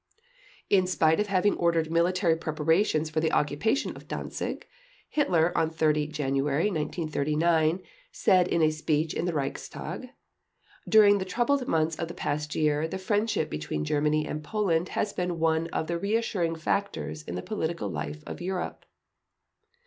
In spite of having ordered military preparations for the occupation of Danzig, Hitler on 30 January 1939 said in a speech in the Reichstag: "During the troubled months of the past year, the friendship between Germany and Poland has been one of the reassuring factors in the political life of Europe."